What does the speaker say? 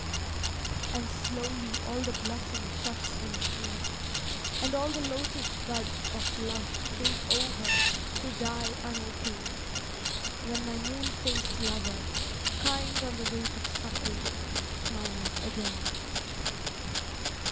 And slowly all the blossom shuts in pain, And all the lotus buds of love sink over To die unopened: when my moon faced lover, Kind on the weight of suffering, smiles again.